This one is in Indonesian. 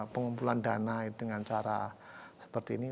pengumpulan dana dengan cara seperti ini